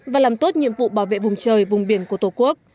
và làm tốt nhiệm vụ bảo vệ vùng trời vùng biển của tổ quốc